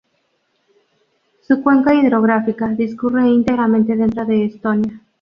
Su cuenca hidrográfica discurre íntegramente dentro de Estonia.